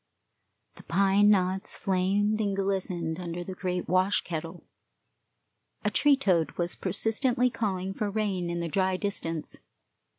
The pine knots flamed and glistened under the great wash kettle. A tree toad was persistently calling for rain in the dry distance.